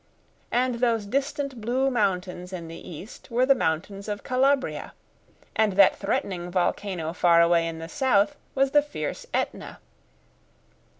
And those distant blue mountains in the east were the mountains of Calabria. And that threatening volcano far away in the south was the fierce Etna.